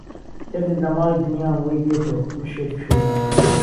دهردت له ماڵی دنیام وهی بێ تۆ من شێت و شهیدام